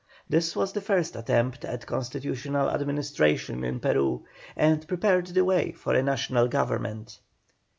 This was the first attempt at Constitutional administration in Peru, and prepared the way for a National Government.